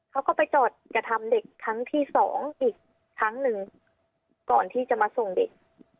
เขาก็ไปจอดกระทำเด็กครั้งที่สองอีกครั้งหนึ่งก่อนที่จะมาส่งเด็ก